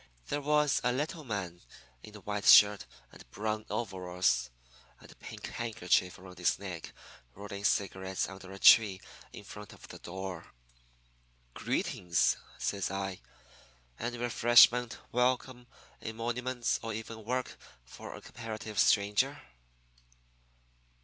"There was a little man in a white shirt and brown overalls and a pink handkerchief around his neck rolling cigarettes under a tree in front of the door. "'Greetings,' says I. 'Any refreshment, welcome, emoluments, or even work for a comparative stranger?'